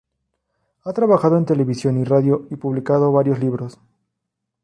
Ha trabajado en televisión y radio, y publicado varios libros.